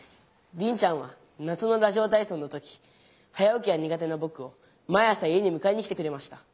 リンちゃんは夏のラジオ体操の時早おきがにが手なぼくを毎朝家にむかえに来てくれました。